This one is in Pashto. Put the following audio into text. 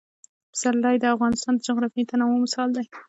پسرلی د افغانستان د جغرافیوي تنوع مثال دی.